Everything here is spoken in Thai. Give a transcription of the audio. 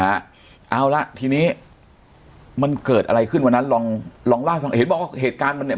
เอาละทีนี้มันเกิดอะไรขึ้นวันนั้นลองลองเล่าให้ฟังเห็นบอกว่าเหตุการณ์มันเนี่ย